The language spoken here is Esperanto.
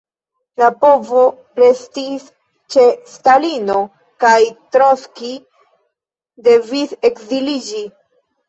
La povo restis ĉe Stalino, kaj Trockij devis ekziliĝi.